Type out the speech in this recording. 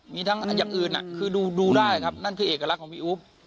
มีทั้งอย่างอื่นคือดูได้ครับนั่นคือเอกลักษณ์ของพี่อุ๊บ